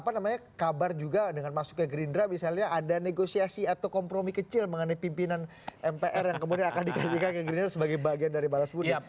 bagaimana dengan kabar juga dengan masuk ke green draw misalnya ada negosiasi atau kompromi kecil mengenai pimpinan mpr yang kemudian akan dikasihkan ke green draw sebagai bagian dari bagian dari bagian dari mpr